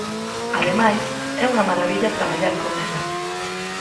Ademais, é unha marabilla traballar con ela.